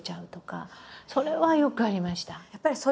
それはよくありました。